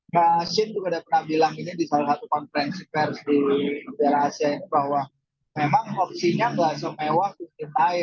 mas hinggapi juga pernah bilang di salah satu kontrens versi di periode ac bahwa memang opsinya tidak semewah kursi lain